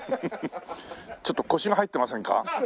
ちょっと腰が入ってませんか？